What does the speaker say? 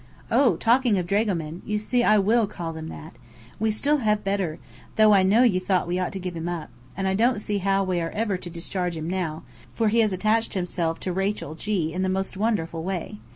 Oh, talking of dragomen (you see I will call them that!), we still have Bedr, though I know you thought we ought to give him up, and I don't see how we are ever to discharge him now, for he has attached himself to Rachel G. in the most wonderful way.